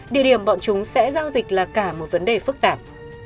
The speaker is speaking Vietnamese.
địa điểm bọn chúng sẽ giao dịch là cả một vấn đề phức tạp